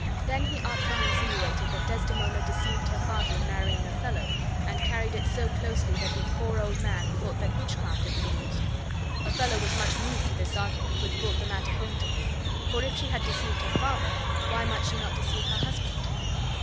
Then he artfully insinuated that Desdemona deceived her father in marrying with Othello, and carried it so closely that the poor old man thought that witchcraft had been used. Othello was much moved with this argument, which brought the matter home to him, for if she had deceived her father why might she not deceive her husband?